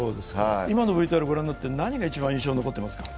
今のＶＴＲをご覧になって何が一番印象に残っていますか？